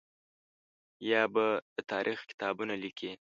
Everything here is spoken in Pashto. یا به د تاریخ کتابونه لیکي.